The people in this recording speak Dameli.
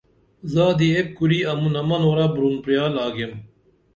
زادی ایک کُری امُنہ منُورہ بُرُون پریال آگیم